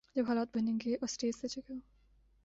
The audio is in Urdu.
جب حالات بنیں گے اور سٹیج سجے گا۔